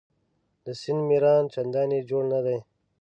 د سیند میران چنداني جوړ نه دي.